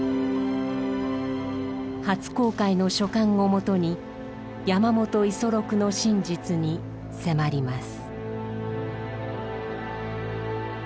初公開の書簡をもとに山本五十六の真実に迫ります。